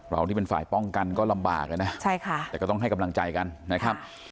ที่เป็นฝ่ายป้องกันก็ลำบากนะใช่ค่ะแต่ก็ต้องให้กำลังใจกันนะครับ